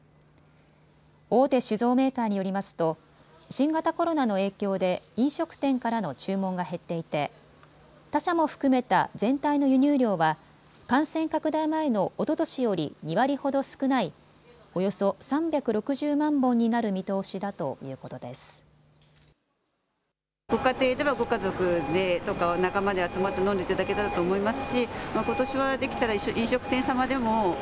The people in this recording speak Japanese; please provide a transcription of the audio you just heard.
大手酒造メーカーによりますと新型コロナの影響で飲食店からの注文が減っていて他社も含めた全体の輸入量は感染拡大前のおととしより２割ほど少ないおよそ３６０万本になる見通しだということです。